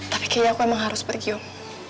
tapi kayaknya aku emang harus pergi om